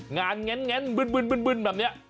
งานแงนบึ้นแบบนี้